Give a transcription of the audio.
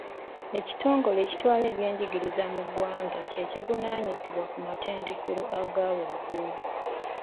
Ekitongole ekitwala ebyenjigiriza ebyawaggulu mu ggwanga kye kivunaanyizibwa ku matendekero aga waggulu.